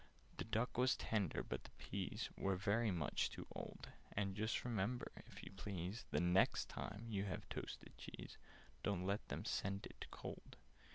"The duck was tender, but the peas Were very much too old: And just remember, if you please, The next time you have toasted cheese, Don't let them send it cold.